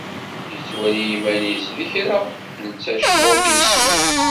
Yettwali iman-is d kra, netta acemma ur t-yeswi.